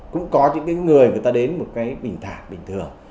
cũng có những người người ta đến một cái bình thản bình thường